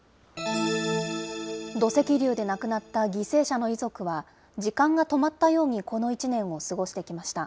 土石流で亡くなった犠牲者の遺族は、時間が止まったようにこの１年を過ごしてきました。